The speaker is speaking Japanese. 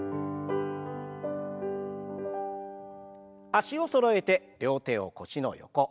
脚をそろえて両手を腰の横。